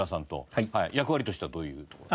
役割としてはどういうところで？